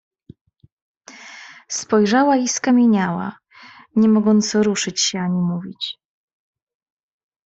Spojrzała i skamieniała, nie mogąc ruszyć się ani mówić.